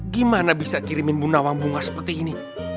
gimana bisa kirimin bunawang bunga seperti ini